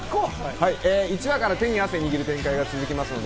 １話から手に汗握る展開が続きます。